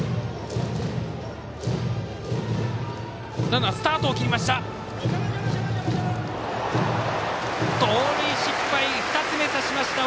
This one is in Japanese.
ランナー、スタートを切りました。